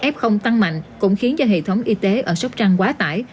f tăng mạnh cũng khiến cho hệ thống y tế ở sóc trăng quá tải